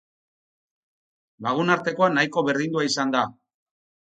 Lagunartekoa nahiko berdindua izan da.